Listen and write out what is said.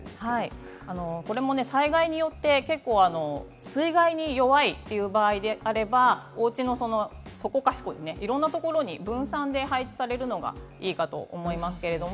災害によって水害に弱い場合であればおうちのそこかしこいろいろなところで分散して配置されるのがいいと思います。